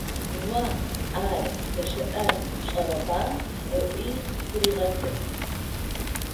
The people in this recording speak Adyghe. «О ар здэщыӀэр пшӀэрэба?» - ыӏуи сыригъэзыгъ.